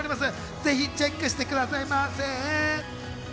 ぜひチェックしてくださいませ。